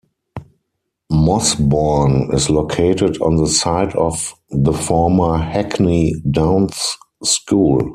Mossbourne is located on the site of the former Hackney Downs School.